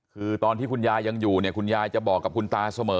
คือตอนที่คุณยายยังอยู่เนี่ยคุณยายจะบอกกับคุณตาเสมอ